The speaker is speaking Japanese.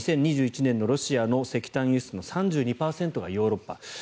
２０２１年のロシアの石炭輸出の３２％がヨーロッパ。